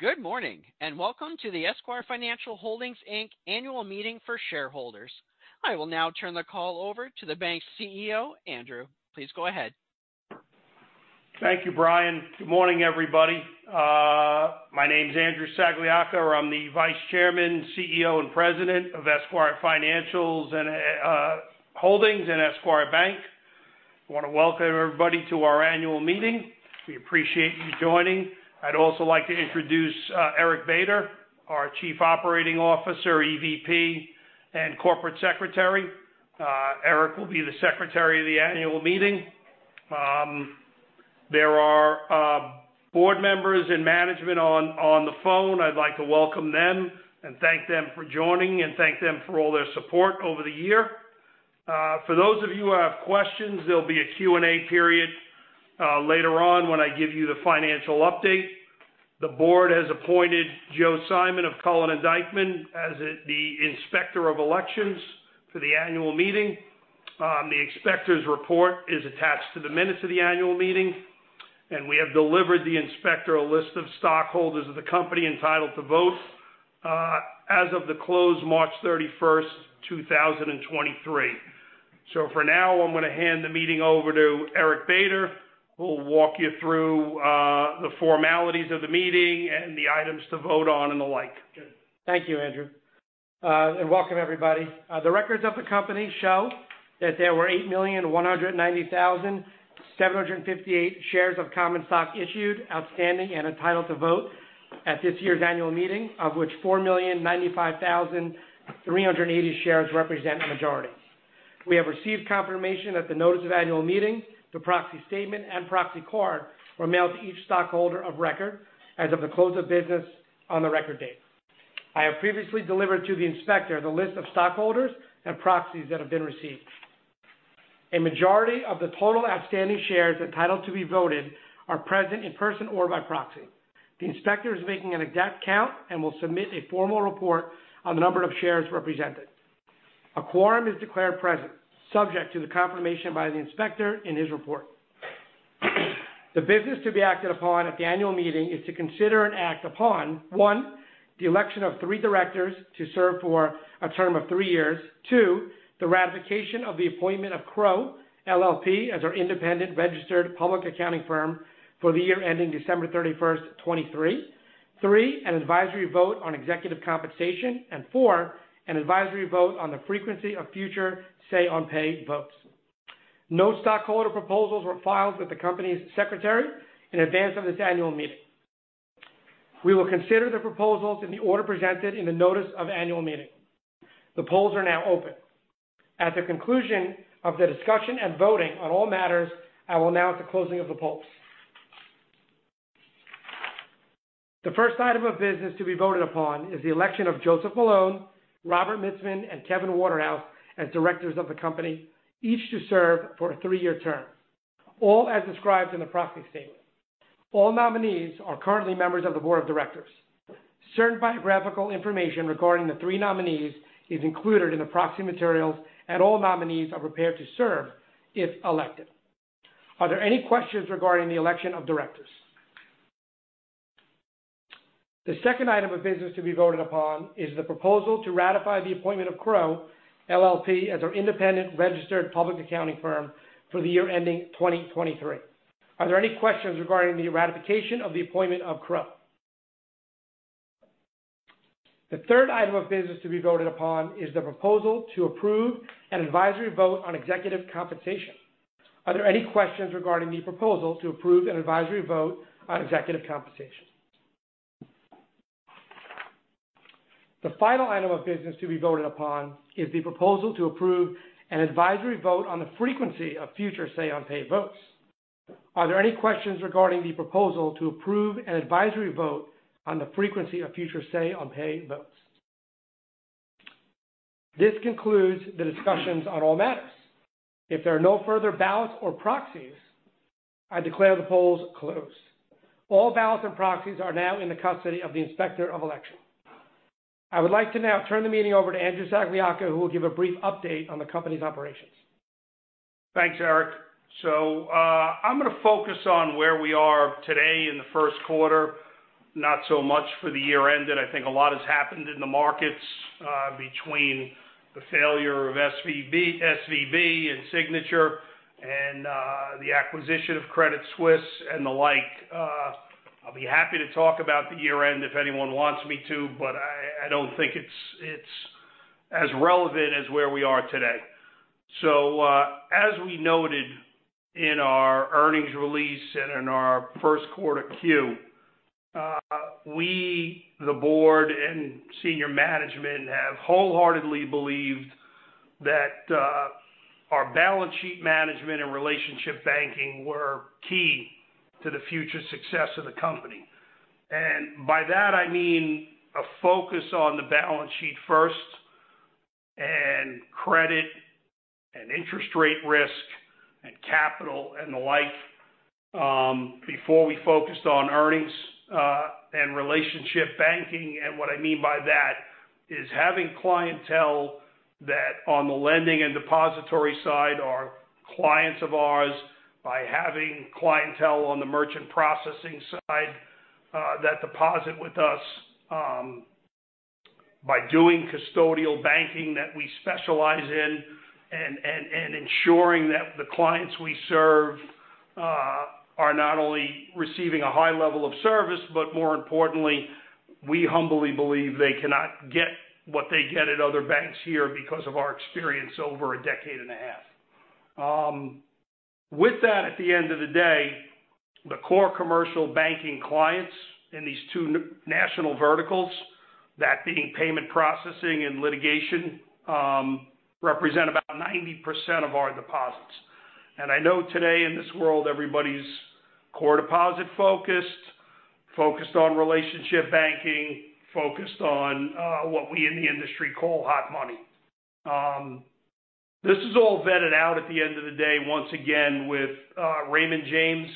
Good morning, and welcome to the Esquire Financial Holdings, Inc. Annual Meeting for Shareholders. I will now turn the call over to the bank's CEO, Andrew. Please go ahead. Thank you, Brian. Good morning, everybody. My name is Andrew Sagliocca. I'm the Vice Chairman, CEO, and President of Esquire Financial and Holdings and Esquire Bank. I want to welcome everybody to our annual meeting. We appreciate you joining. I'd also like to introduce Eric Bader, our Chief Operating Officer, EVP, and Corporate Secretary. Eric will be the secretary of the annual meeting. There are board members and management on the phone. I'd like to welcome them and thank them for joining, and thank them for all their support over the year. For those of you who have questions, there'll be a Q&A period later on when I give you the financial update. The board has appointed Joe Simon of Cullen and Dykman as the Inspector of Elections for the annual meeting. The inspector's report is attached to the minutes of the annual meeting. We have delivered the inspector a list of stockholders of the company entitled to vote, as of the close, March 31st, 2023. For now, I'm going to hand the meeting over to Eric Bader, who will walk you through the formalities of the meeting and the items to vote on and the like. Thank you, Andrew. Welcome, everybody. The records of the company show that there were 8,190,758 shares of common stock issued, outstanding, and entitled to vote at this year's annual meeting, of which 4,095,380 shares represent a majority. We have received confirmation that the notice of annual meeting, the proxy statement, and proxy card were mailed to each stockholder of record as of the close of business on the record date. I have previously delivered to the inspector, the list of stockholders and proxies that have been received. A majority of the total outstanding shares entitled to be voted are present in person or by proxy. The inspector is making an exact count and will submit a formal report on the number of shares represented. A quorum is declared present, subject to the confirmation by the inspector in his report. The business to be acted upon at the annual meeting is to consider and act upon: one, the election of three directors to serve for a term of three years. two, the ratification of the appointment of Crowe LLP as our independent registered public accounting firm for the year ending December 31st, 2023. three, an advisory vote on executive compensation. four, an advisory vote on the frequency of future Say on Pay votes. No stockholder proposals were filed with the company's secretary in advance of this annual meeting. We will consider the proposals in the order presented in the notice of annual meeting. The polls are now open. At the conclusion of the discussion and voting on all matters, I will announce the closing of the polls. The first item of business to be voted upon is the election of Joseph Malone, Robert Mitzman, and Kevin Waterhouse as directors of the company, each to serve for a three-year term, all as described in the proxy statement. All nominees are currently members of the board of directors. Certain biographical information regarding the three nominees is included in the proxy materials. All nominees are prepared to serve if elected. Are there any questions regarding the election of directors? The second item of business to be voted upon is the proposal to ratify the appointment of Crowe LLP as our independent registered public accounting firm for the year ending 2023. Are there any questions regarding the ratification of the appointment of Crowe? The third item of business to be voted upon is the proposal to approve an advisory vote on executive compensation. Are there any questions regarding the proposal to approve an advisory vote on executive compensation? The final item of business to be voted upon is the proposal to approve an advisory vote on the frequency of future Say on Pay votes. Are there any questions regarding the proposal to approve an advisory vote on the frequency of future Say on Pay votes? This concludes the discussions on all matters. If there are no further ballots or proxies, I declare the polls closed. All ballots and proxies are now in the custody of the Inspector of Elections. I would like to now turn the meeting over to Andrew Sagliocca, who will give a brief update on the company's operations. Thanks, Eric. I'm going to focus on where we are today in the first quarter, not so much for the year end, and I think a lot has happened in the markets, between the failure of SVB and Signature and the acquisition of Credit Suisse and the like. I'll be happy to talk about the year end if anyone wants me to, but I don't think it's as relevant as where we are today. As we noted in our earnings release and in our first quarter Q, we, the board and senior management, have wholeheartedly believed that our balance sheet management and relationship banking were key to the future success of the company. By that I mean a focus on the balance sheet first, and credit, and interest rate risk, and capital, and the like, before we focused on earnings, and relationship banking. What I mean by that is having clientele that on the lending and depository side are clients of ours, by having clientele on the merchant processing side, that deposit with us, by doing custodial banking that we specialize in, and ensuring that the clients we serve, are not only receiving a high level of service, but more importantly, we humbly believe they cannot get what they get at other banks here because of our experience over a decade and a half. With that, at the end of the day, the core commercial banking clients in these two national verticals, that being payment processing and litigation, represent about 90% of our deposits. I know today in this world, everybody's core deposit focused on relationship banking, focused on what we in the industry call hot money. This is all vetted out at the end of the day, once again, with Raymond James,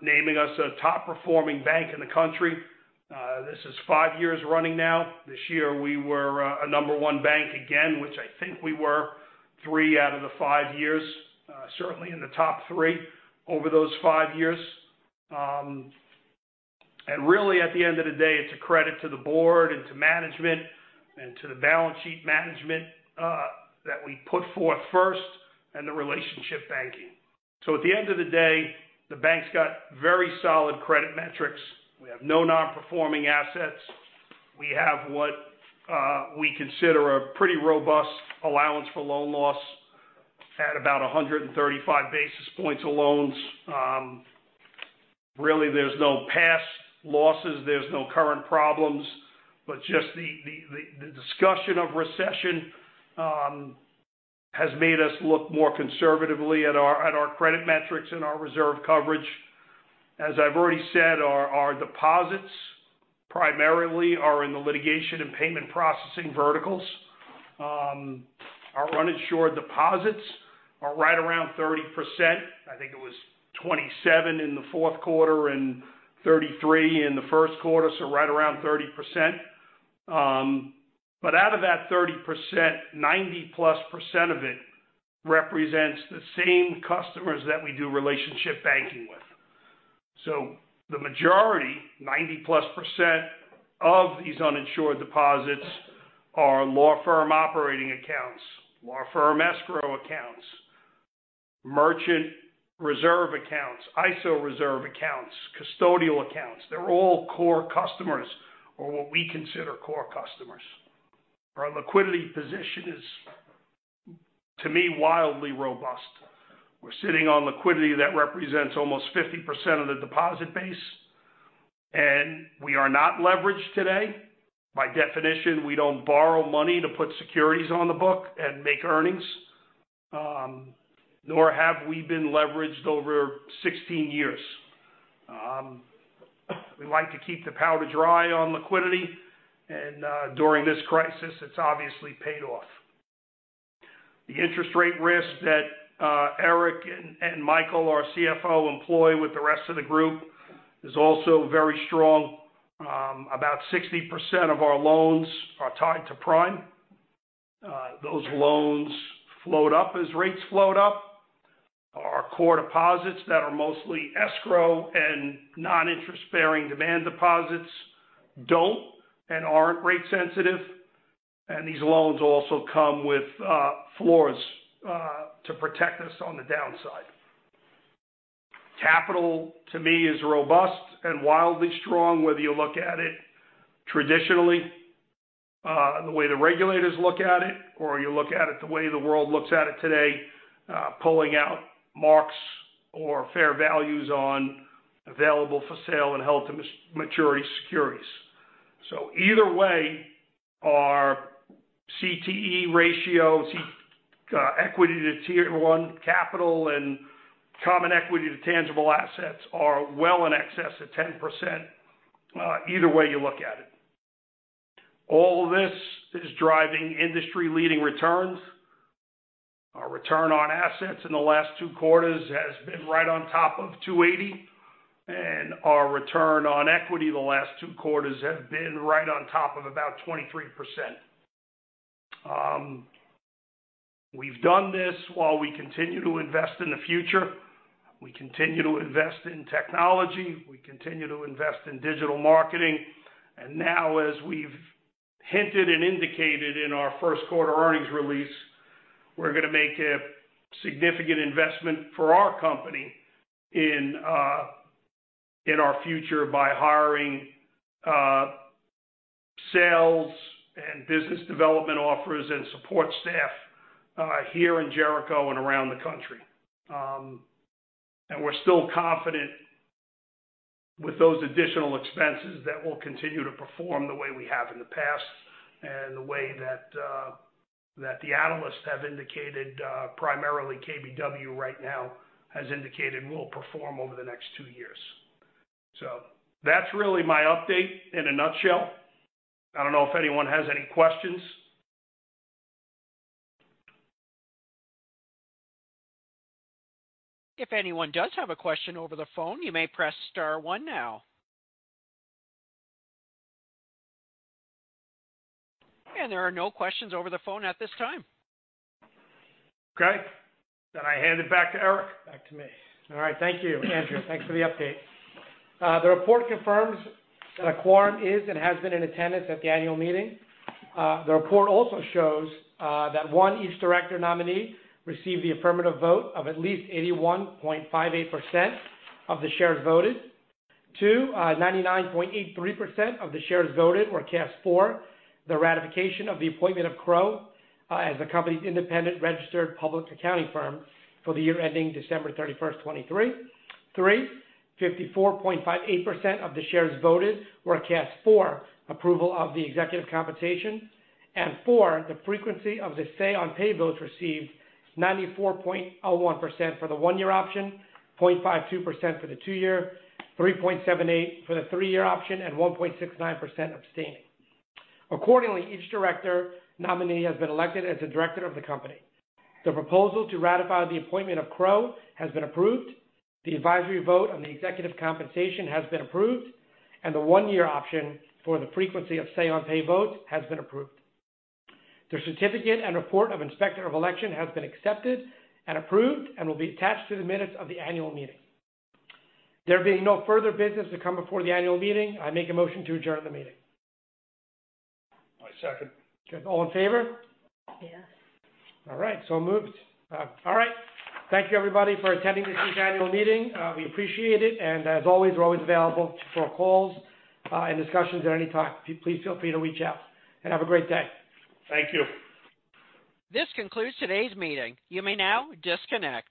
naming us a top-performing bank in the country. This is five years running now. This year, we were a number one bank again, which I think we were three out of the five years, certainly in the top three over those five years. Really, at the end of the day, it's a credit to the board and to management and to the balance sheet management that we put forth first and the relationship banking. At the end of the day, the bank's got very solid credit metrics. We have no non-performing assets. We have what we consider a pretty robust Allowance for Loan and Lease Losses at about 135 basis points of loans. Really, there's no past losses, there's no current problems, but just the discussion of recession has made us look more conservatively at our credit metrics and our reserve coverage. As I've already said, our deposits primarily are in the litigation and payment processing verticals. Our uninsured deposits are right around 30%. I think it was 27 in the 4th quarter and 33 in the 1st quarter, so right around 30%. Out of that 30%, 90-plus percent of it represents the same customers that we do relationship banking with. The majority, 90-plus percent of these uninsured deposits are law firm operating accounts, law firm escrow accounts, merchant reserve accounts, ISO reserve accounts, custodial accounts. They're all core customers or what we consider core customers. Our liquidity position is, to me, wildly robust. We're sitting on liquidity that represents almost 50% of the deposit base, and we are not leveraged today. By definition, we don't borrow money to put securities on the book and make earnings, nor have we been leveraged over 16 years. We like to keep the powder dry on liquidity, and, during this crisis, it's obviously paid off. The interest rate risk that Eric and Michael, our CFO, employ with the rest of the group is also very strong. About 60% of our loans are tied to Prime. Those loans float up as rates float up. Our core deposits that are mostly escrow and non-interest-bearing demand deposits don't and aren't rate sensitive, and these loans also come with floors to protect us on the downside. Capital, to me, is robust and wildly strong, whether you look at it traditionally, the way the regulators look at it, or you look at it the way the world looks at it today, pulling out marks or fair values on available-for-sale and held to maturity securities. Either way, our CET1 ratio, equity to tier one capital and common equity to tangible assets are well in excess of 10%, either way you look at it. All this is driving industry-leading returns. Our Return on Assets in the last 2 quarters has been right on top of 2.80%, and our Return on Equity the last 2 quarters have been right on top of about 23%. We've done this while we continue to invest in the future. We continue to invest in technology, we continue to invest in digital marketing, and now, as we've hinted and indicated in our 1st quarter earnings release, we're going to make a significant investment for our company in our future by hiring sales and business development officers and support staff here in Jericho and around the country. We're still confident with those additional expenses that we'll continue to perform the way we have in the past and the way that the analysts have indicated, primarily KBW right now has indicated we'll perform over the next two years. That's really my update in a nutshell. I don't know if anyone has any questions? If anyone does have a question over the phone, you may press star one now. There are no questions over the phone at this time. Okay, I hand it back to Eric. Back to me. All right, thank you, Andrew. Thanks for the update. The report confirms that a quorum is and has been in attendance at the annual meeting. The report also shows that 1, each director nominee received the affirmative vote of at least 81.58% of the shares voted. 2, 99.83% of the shares voted were cast for the ratification of the appointment of Crowe as the company's independent registered public accounting firm for the year ending December 31, 2023. 3, 54.58% of the shares voted were cast for approval of the executive compensation. Four, the frequency of the Say on Pay votes received 94.01% for the one-year option, 0.52% for the two-year, 3.78% for the three-year option, and 1.69% abstaining. Accordingly, each director nominee has been elected as a director of the company. The proposal to ratify the appointment of Crowe has been approved. The advisory vote on the executive compensation has been approved. The one-year option for the frequency of Say on Pay votes has been approved. The certificate and report of Inspector of Elections has been accepted and approved and will be attached to the minutes of the annual meeting. There being no further business to come before the annual meeting, I make a motion to adjourn the meeting. I second. All in favor? Yes. All right, so moved. All right. Thank you, everybody, for attending this annual meeting. We appreciate it, and as always, we're always available for calls, and discussions at any time. Please feel free to reach out and have a great day. Thank you. This concludes today's meeting. You may now disconnect.